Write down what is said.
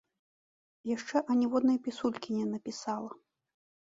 Яшчэ аніводнай пісулькі не напісала.